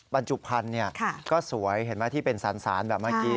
บรรจุพันธุ์ก็สวยเห็นไหมที่เป็นสารแบบเมื่อกี้